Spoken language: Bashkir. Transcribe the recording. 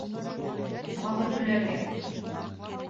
Тағы түләргә!